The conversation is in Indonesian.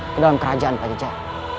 kedalam kerajaan pajajah